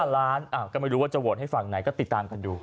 ๕ล้านก็ไม่รู้ว่าจะโหวตให้ฝั่งไหนก็ติดตามกันดู